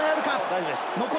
大丈夫です。